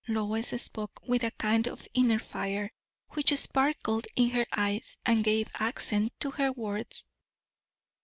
Lois spoke with a kind of inner fire, which sparkled in her eyes and gave accent to her words.